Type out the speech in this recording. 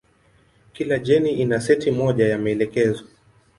Kila jeni ina seti moja ya maelekezo.